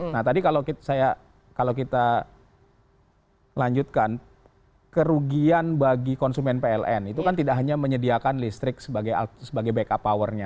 nah tadi kalau kita lanjutkan kerugian bagi konsumen pln itu kan tidak hanya menyediakan listrik sebagai backup powernya